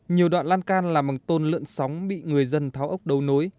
nhiều đoạn lan can làm bằng tôn lượn sóng bị người dân tháo ốc đầu nối